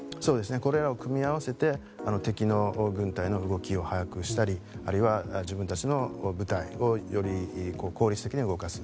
これらを組み合わせて敵の軍隊の動きを把握したりあるいは、自分たちの部隊をより効率的に動かす。